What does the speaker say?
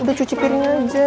udah cuci piring aja